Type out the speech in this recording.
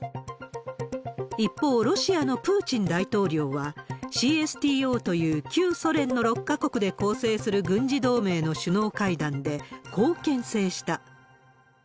一方、ロシアのプーチン大統領は、ＣＳＴＯという旧ソ連の６か国で構成する軍事同盟の首脳会談で、こうけん制した。